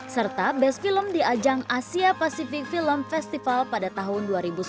serta best film di ajang asia pacific film festival pada tahun dua ribu sembilan belas